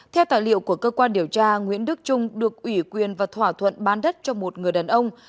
theo tài liệu của cơ quan điều tra nguyễn đức trung được ủy quyền và thỏa thuận bán đất cho một người đàn ông